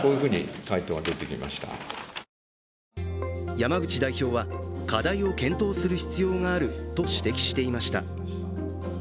山口代表は、課題を検討する必要があると指摘していました。